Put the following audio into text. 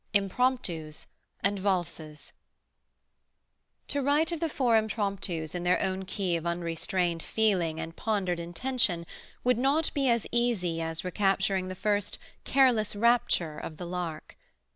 IMPROMPTUS AND VALSES To write of the four Impromptus in their own key of unrestrained feeling and pondered intention would not be as easy as recapturing the first "careless rapture" of the lark.